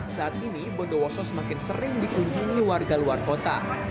saat ini bondowoso semakin sering dikunjungi warga luar kota